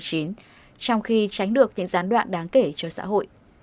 trong khi tránh được những gián đoạn đáng kể cho xã hội